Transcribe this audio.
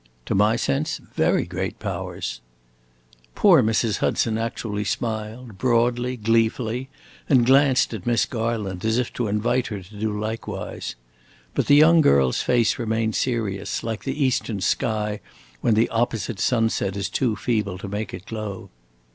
"To my sense, very great powers." Poor Mrs. Hudson actually smiled, broadly, gleefully, and glanced at Miss Garland, as if to invite her to do likewise. But the young girl's face remained serious, like the eastern sky when the opposite sunset is too feeble to make it glow.